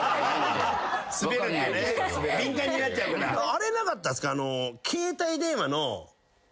あれなかったっすか？